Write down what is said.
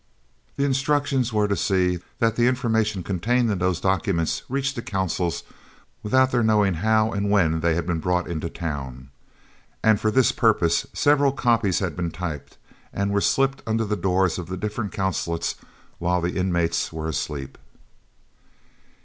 The instructions were to see that the information contained in those documents reached the Consuls without their knowing how and when they had been brought into town, and for this purpose several copies had been typed and were slipped under the doors of the different Consulates while the inmates were asleep.